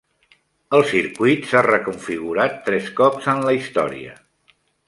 El circuit s'ha reconfigurat tres cops en la història.